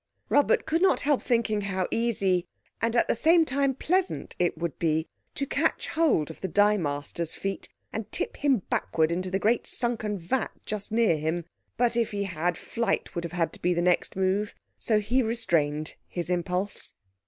Robert could not help thinking how easy, and at the same time pleasant, it would be to catch hold of the dye master's feet and tip him backward into the great sunken vat just near him. But if he had, flight would have had to be the next move, so he restrained his impulse.